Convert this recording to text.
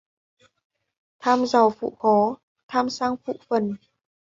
Tham giàu phụ khó. tham sang phụ phần